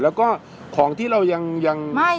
และก็ของที่เรายังเป็นเนื้อ